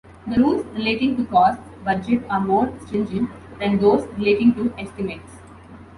The rules relating to costs budgets are more stringent than those relating to estimates.